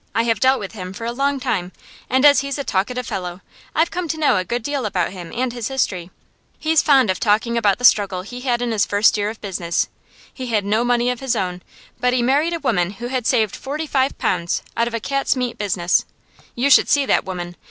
I have dealt with him for a long time, and as he's a talkative fellow I've come to know a good deal about him and his history. He's fond of talking about the struggle he had in his first year of business. He had no money of his own, but he married a woman who had saved forty five pounds out of a cat's meat business. You should see that woman!